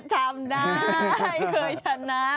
แหดทำได้เคยชนะมา